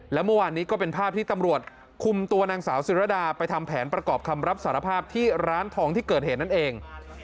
และเมื่อวานนี้ก็เป็นภาพที่ตำรวจคุมตัวนางสาวศิรดาไปทำแผนประกอบคำรับสารภาพที่ร้านทองที่เกิดเหตุนั่นเอง